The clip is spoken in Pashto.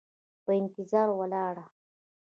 په انتظار ولاړه